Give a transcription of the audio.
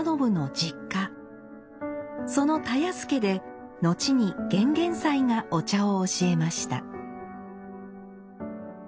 その田安家で後に玄々斎がお茶を教えました。